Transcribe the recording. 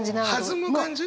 弾む感じ？